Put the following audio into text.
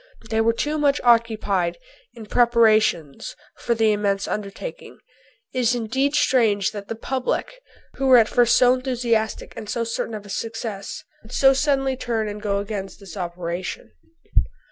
They were too much occupied in preparations for the immense undertaking. It is indeed strange that the public, who were at first so enthusiastic and so certain of success, should so suddenly turn and go against this operation.